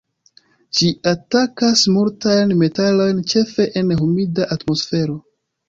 Ĝi atakas multajn metalojn ĉefe en humida atmosfero.